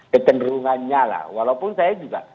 kecenderungannya lah walaupun saya juga